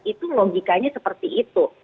itu logikanya seperti itu